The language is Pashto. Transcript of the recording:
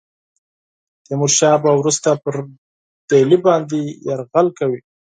تیمور شاه به وروسته پر ډهلي باندي یرغل کوي.